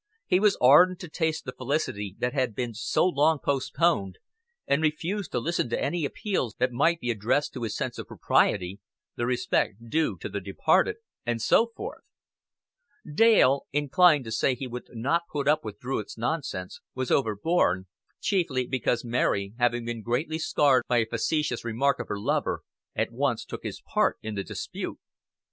He was ardent to taste the felicity that had been so long postponed, and refused to listen to any appeals that might be addressed to his sense of propriety, the respect due to the departed, and so forth. Dale, inclined to say he would not put up with Druitt's nonsense, was overborne; chiefly because Mary, having been greatly scared by a facetious remark of her lover, at once took his part in the dispute.